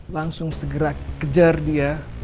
langsung segera kejar dia